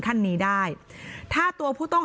หนูจะให้เขาเซอร์ไพรส์ว่าหนูเก่ง